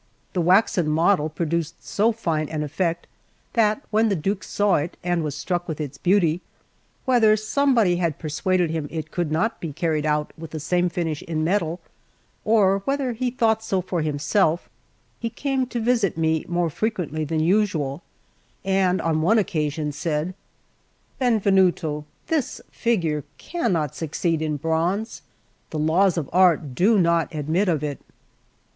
The waxen model produced so fine an effect, that when the Duke saw it and was struck with its beauty whether somebody had persuaded him it could not be carried out with the same finish in metal, or whether he thought so for himself he came to visit me more frequently than usual, and on one occasion said: "Benvenuto, this figure cannot succeed in bronze; the laws of art do not admit of it."